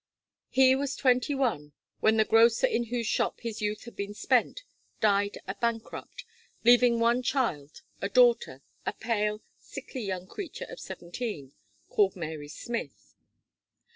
He was twenty one, when the grocer in whose shop his youth had been spent, died a bankrupt, leaving one child, a daughter, a pale, sickly young creature of seventeen, called Mary Smith.